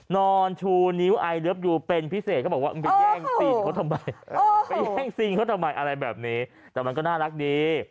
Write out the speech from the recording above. นอนชูนิ้วไอเลิฟยูเป็นพิเศษก็บอกว่ามึงเป็นแย่งสิ่งเขาทำไมอะไรแบบนี้แต่มันก็น่ารักดี